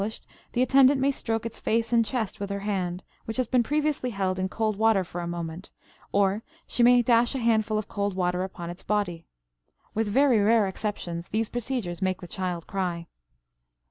Usually, it gasps at once; when it does not, the attendant may stroke its face and chest with her hand, which has been previously held in cold water for a moment; or she may dash a handful of cold water upon its body. With very rare exceptions these procedures make the child cry.